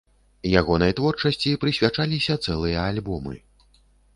Ягонай творчасці прысвячаліся цэлыя альбомы.